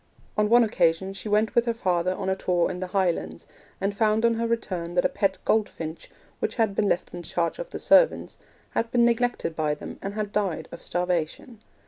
On one occasion she went with her father on a tour in the Highlands, and found on her return that a pet goldfinch, which had been left in the charge of the servants, had been neglected by them and had died of starvation.